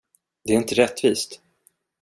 Det är inte rättvist!